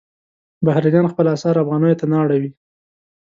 بهرنیان خپل اسعار افغانیو ته نه اړوي.